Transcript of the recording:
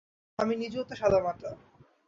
আমি নিজেও তো সাদামাটা।